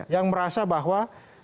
yang merasa bahwa